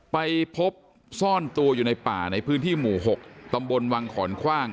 ไปพบซ่อนตัวอยู่ในป่าในพื้นที่หมู่๖ตำบลวังขอนคว่าง